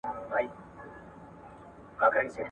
اقتصاد د اقتصادي سیسټم ډولونه تشریح کوي.